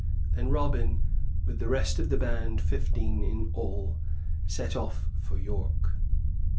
Then Robin, with the rest of the band fifteen in all set off for York.